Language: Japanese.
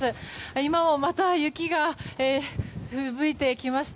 今も、また雪がふぶいてきました。